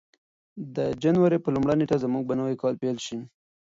د جنوري په لومړۍ نېټه به زموږ نوی کال پیل شي.